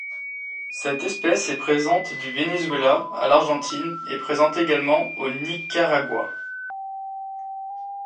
Cette espèce est présente du Venezuela à l'Argentine et présente également au Nicaragua.